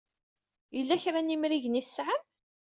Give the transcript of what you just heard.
Yella kra n yimrigen ay tesɛam?